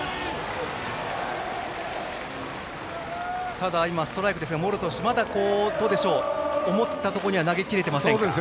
ただ、今はストライクですが茂呂投手、まだ思ったところには投げ切れていませんか。